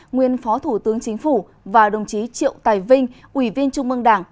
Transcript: nguyên phó thủ tướng chính phủ và đồng chí triệu tài vinh ủy viên trung mương đảng